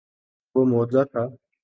وہ معجزہ تھا۔